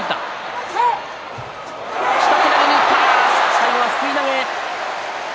最後はすくい投げ。